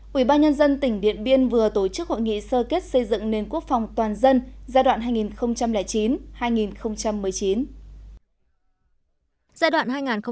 quỹ ba nhân dân tỉnh điện biên vừa tổ chức hội nghị sơ kết xây dựng nền quốc phòng toàn dân giai đoạn hai nghìn chín hai nghìn một mươi chín